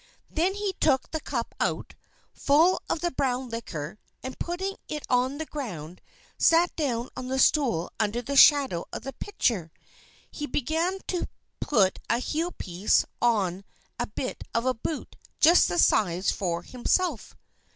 Then he took the cup out, full of the brown liquor, and putting it on the ground, sat down on the stool under the shadow of the pitcher. He began to put a heel piece on a bit of a boot just the size for himself.